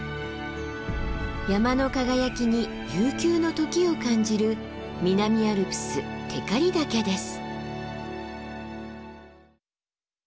山の輝きに悠久の時を感じる南アルプス光岳です。